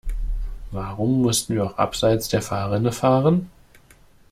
Warum mussten wir auch abseits der Fahrrinne fahren?